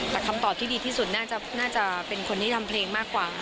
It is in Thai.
แต่คำตอบที่ดีที่สุดน่าจะเป็นคนที่ทำเพลงมากกว่า